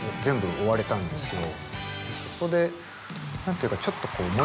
そこで何ていうかちょっと。